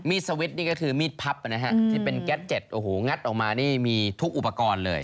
สวิตช์นี่ก็คือมีดพับนะฮะที่เป็นแก๊สเต็ตโอ้โหงัดออกมานี่มีทุกอุปกรณ์เลย